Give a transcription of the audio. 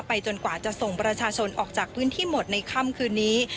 จนกว่าจะส่งประชาชนออกจากพื้นที่หมดในค่ำคืนนี้